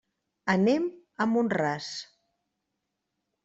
Anem a Mont-ras.